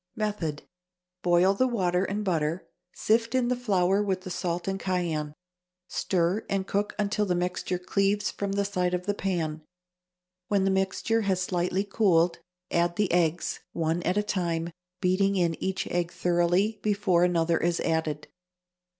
Method. Boil the water and butter, sift in the flour with the salt and cayenne; stir and cook until the mixture cleaves from the side of the pan. When the mixture has slightly cooled, add the eggs, one at a time, beating in each egg thoroughly before another is added.